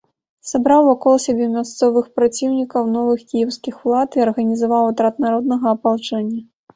Сабраў вакол сябе мясцовых праціўнікаў новых кіеўскіх улад і арганізаваў атрад народнага апалчэння.